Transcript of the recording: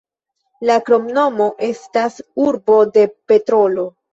La kromnomo estas "urbo de petrolo".